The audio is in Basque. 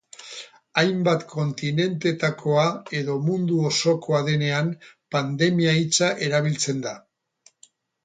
Hainbat kontinentetakoa edo mundu osokoa denean, pandemia hitza erabiltzen da.